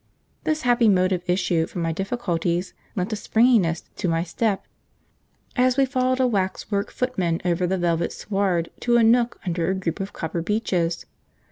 This happy mode of issue from my difficulties lent a springiness to my step, as we followed a waxwork footman over the velvet sward to a nook under a group of copper beeches.